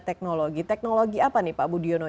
teknologi teknologi apa nih pak budiono